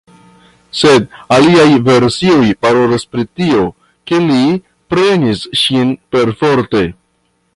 Sed aliaj versioj parolas pri tio, ke li prenis ŝin perforte.